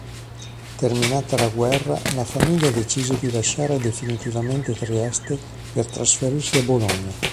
Terminata la guerra, la famiglia decise di lasciare definitivamente Trieste, per trasferirsi a Bologna.